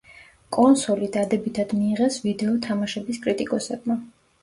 კონსოლი დადებითად მიიღეს ვიდეო თამაშების კრიტიკოსებმა.